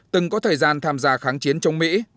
từng có thời gian tham gia kháng chiến chống mỹ